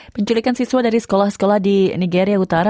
penculikan siswa dari sekolah sekolah di nigeria utara